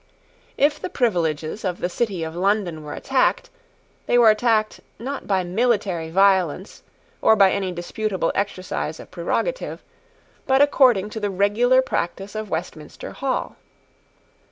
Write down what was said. If the privileges of the City of London were attacked, they were attacked, not by military violence or by any disputable exercise of prerogative, but according to the regular practice of Westminster Hall.